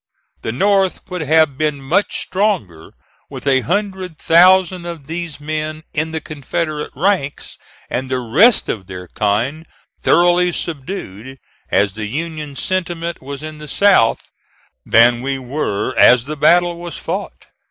The North would have been much stronger with a hundred thousand of these men in the Confederate ranks and the rest of their kind thoroughly subdued, as the Union sentiment was in the South, than we were as the battle was fought.